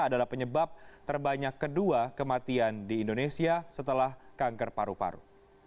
adalah penyebab terbanyak kedua kematian di indonesia setelah kanker paru paru